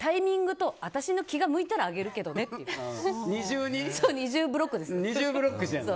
タイミングと私の気が向いたらあげるからねって。